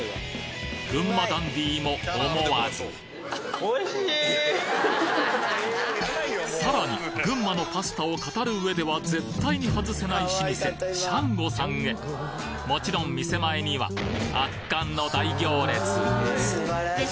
群馬ダンディーも思わずさらに群馬のパスタを語る上では絶対に外せない老舗シャンゴさんへもちろん店前には圧巻の大行列！